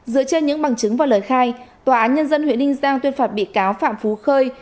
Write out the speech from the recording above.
dựa trên những bằng chứng và lời khai tòa án nhân dân huyện ninh giang tuyên phạt bị cáo phạm phú khơi